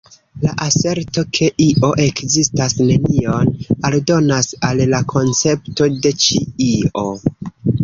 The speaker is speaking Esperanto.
La aserto, ke io ekzistas nenion aldonas al la koncepto de ĉi io.